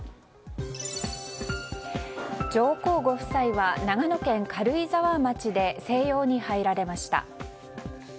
上皇ご夫妻は長野県軽井沢町で静養に入られました。